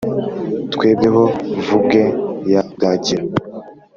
twebwe ho vubwe ya bwagiro,